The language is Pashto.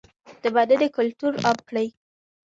د مننې کلتور عام کړئ.